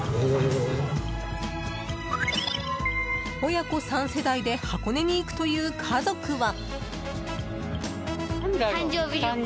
親子３世代で箱根に行くという家族は。